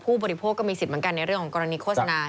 บริโภคก็มีสิทธิ์เหมือนกันในเรื่องของกรณีโฆษณา